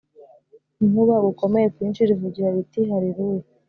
inkuba gukomeye kwinshi rivuga riti Haleluya